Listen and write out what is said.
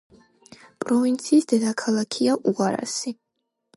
პროვინციის დედაქალაქია უარასი.